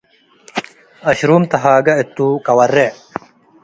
አሽሩም ተሃገ እቱ ቀወርዕ